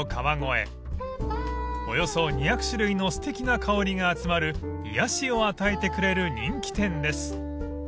［およそ２００種類のすてきな香りが集まる癒やしを与えてくれる人気店です］